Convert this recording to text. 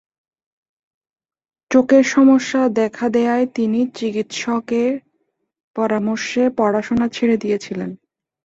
চোখের সমস্যা দেখা দেয়ায় তিনি চিকিৎসকদের পরামর্শে পড়াশোনা ছেড়ে দিয়েছিলেন।